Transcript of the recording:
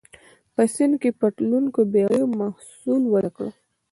په سیند کې پر تلونکو بېړیو محصول وضع کړ.